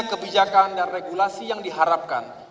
kebijakan dan regulasi yang diharapkan